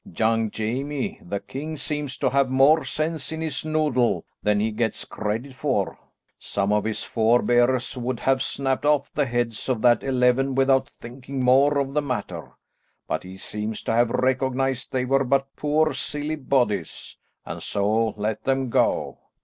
Young Jamie, the king, seems to have more sense in his noodle than he gets credit for. Some of his forbears would have snapped off the heads of that eleven without thinking more of the matter, but he seems to have recognised they were but poor silly bodies, and so let them go.